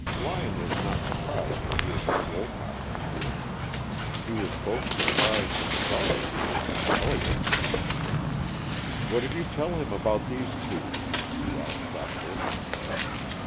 Lyon was not surprised to hear Miss Wolcott's among them. He was both surprised and startled to hear Miss Elliott's. "What did you tell him about these two?" he asked thoughtfully.